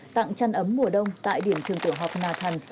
tặng chăn ấm mùa đông tại điểm trường tuổi họp nà thần